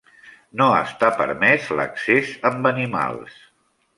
No està permès l'accés amb animals.